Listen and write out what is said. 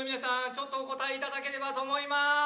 ちょっとお答えいただければと思います。